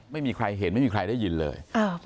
ไม่มีใครเห็นไม่มีใครได้ยินเลย